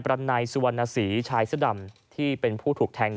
รันไนสุวรรณศรีชายเสื้อดำที่เป็นผู้ถูกแทง